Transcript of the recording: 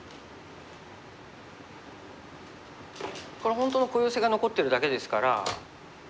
これ本当の小ヨセが残ってるだけですから。